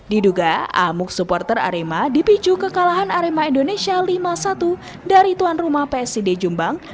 diduga amuk supporter arema dipicu kekalahan arema indonesia lima satu dari tuan rumah psid jombang